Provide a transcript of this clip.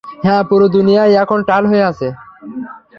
হ্যাঁ, পুরো দুনিয়াই এখন টাল হয়ে আছে।